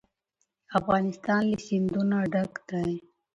افغانستان له سیندونه ډک دی.